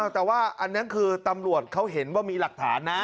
แต่ว่าอันนั้นคือตำรวจเขาเห็นว่ามีหลักฐานนะ